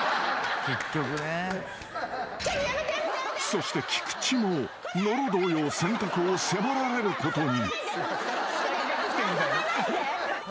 ［そして菊地も野呂同様選択を迫られることに］